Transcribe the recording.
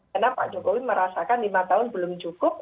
karena pak jokowi merasakan lima tahun belum cukup